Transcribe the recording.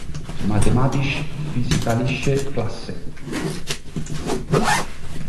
Mathematisch-physikalische Klasse.